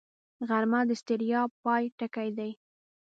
غرمه د ستړیا پای ټکی دی